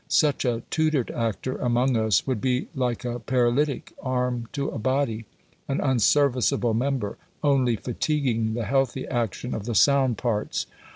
Such a tutored actor among us would be like a paralytic arm to a body; an unserviceable member, only fatiguing the healthy action of the sound parts.